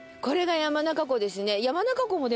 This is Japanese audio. これが山中湖ですね。